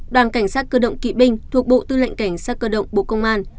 đoàn cảnh sát cơ động kỵ binh thuộc bộ tư lệnh cảnh sát cơ động bộ công an